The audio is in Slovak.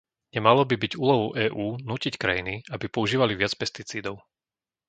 Nemalo by byť úlohou EÚ nútiť krajiny, aby používali viac pesticídov.